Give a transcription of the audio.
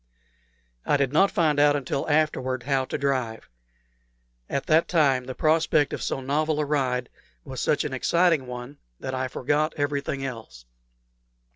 I did not find out until afterward how to drive. At that time the prospect of so novel a ride was such an exciting one that I forgot everything else.